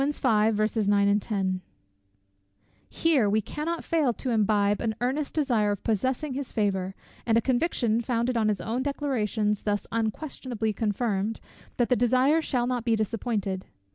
Here we cannot fail to imbibe an earnest desire of possessing his favour, and a conviction, founded on his own declarations thus unquestionably confirmed, that the desire shall not be disappointed.